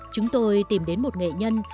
chúng tôi tìm đến một nghệ nhân